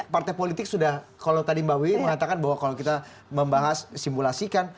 partai politik sudah kalau tadi mbak wiwi mengatakan bahwa kalau kita membahas simulasikan